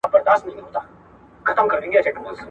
موږ باید له خپل وخت څخه ښه ګټه واخلو.